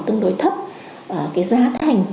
tương đối thấp cái giá thành